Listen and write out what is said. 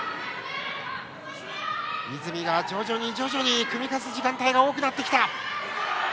泉が徐々に組み勝つ時間帯が多くなってきた。